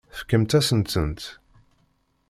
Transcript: Tefkamt-asen-tent.